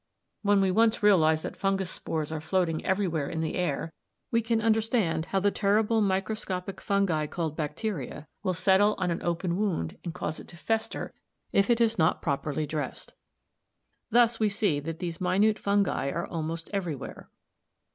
When we once realise that fungus spores are floating everywhere in the air, we can understand how the terrible microscopic fungi called bacteria will settle on an open wound and cause it to fester if it is not properly dressed. "Thus we see that these minute fungi are almost everywhere.